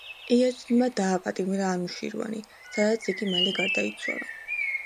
იაზიდმა დააპატიმრა ანუშირვანი, სადაც იგი მალე გარდაიცვალა.